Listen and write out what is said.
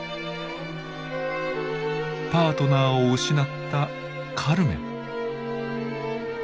パートナーを失ったカルメン。